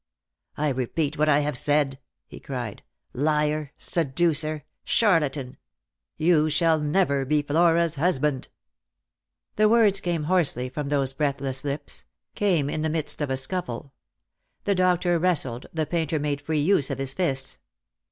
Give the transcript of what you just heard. " I repeat what I have said," he cried. " Liar, seducer, charlatan ! You shall never be Flora's husband !" The words came hoarsely from those breathless lips — came in the midst of a scuffle. The doctor wrestled, the painter made free use of his fists.